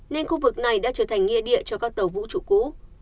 nên khu vực này đã trở thành nghi địa cho các tàu vũ trụ cũ